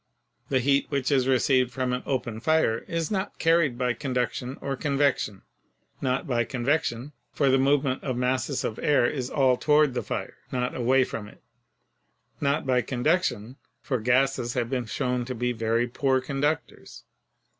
The heat which is received from an open fire is not carried by conduction or convection. Not by convection, for the movement of masses of air is all toward the fire, not away from it; not by conduction, for gases have been shown to be very poor conductors.